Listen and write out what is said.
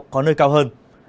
có nơi cao hơn